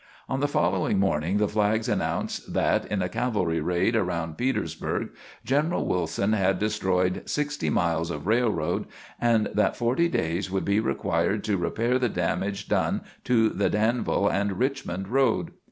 On the following morning the flags announced that, in a cavalry raid around Petersburg, General Wilson had destroyed sixty miles of railroad, and that forty days would be required to repair the damage done to the Danville and Richmond road.